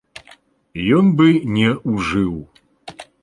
Ён бы не ўжыў.